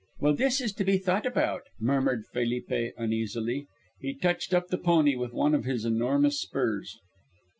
"Well, this is to be thought about," murmured Felipe uneasily. He touched up the pony with one of his enormous spurs.